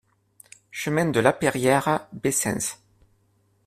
Chemin de Lapeyriere, Bessens